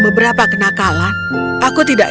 beberapa kenakalan aku tidak